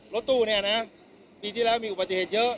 รถตู้เนี่ยนะปีที่แล้วมีอุบัติเหตุเยอะ